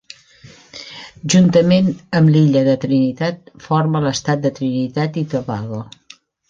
Juntament amb l'illa de Trinitat forma l'estat de Trinitat i Tobago.